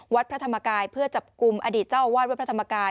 วัดพระธรรมกายเพื่อจับกลุ่มอดีตเจ้าอาวาสวัดพระธรรมกาย